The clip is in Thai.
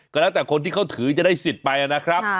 ก็ตั้งแต่คนที่เขาถึงจะได้ศิษย์ไปนะครับ